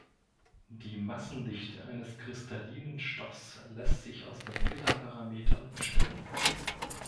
Die Massendichte eines kristallinen Stoffs lässt sich aus den Gitterparametern bestimmen.